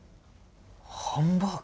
ハンバーグ？